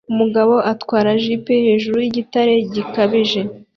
Umugabo atwara jip hejuru yigitare gikabije